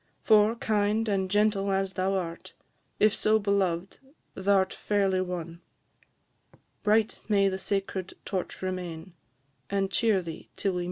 For, kind and gentle as thou art, If so beloved, thou 'rt fairly won. Bright may the sacred torch remain, And cheer thee till we meet again!